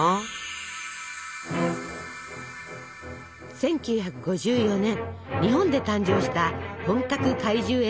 １９５４年日本で誕生した本格怪獣映画「ゴジラ」。